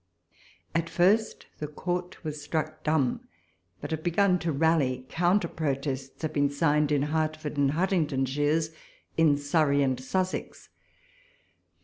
At first, the Court was struck dumb, but have begun to rally. Counter protests have been signed in Hertford and Huntingdon shires, in Surrey and Sussex.